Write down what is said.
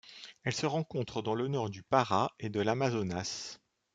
Elle se rencontre dans le nord du Pará et de l'Amazonas.